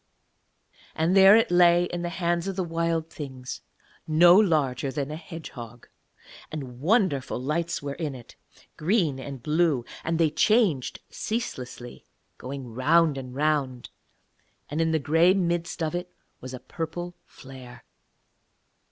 And there it lay in the hands of the Wild Things no larger than a hedgehog; and wonderful lights were in it, green and blue; and they changed ceaselessly, going round and round, and in the grey midst of it was a purple flare.